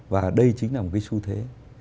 và đây chính là một cái xu thế